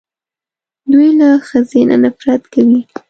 دوی له ښځې نه نفرت کوي